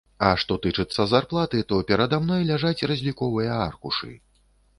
А што тычыцца зарплаты, то перада мной ляжаць разліковыя аркушы.